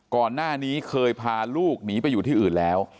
ก่อนหน้านี้เคยพาลูกหนีไปอยู่ที่อื่นแล้ว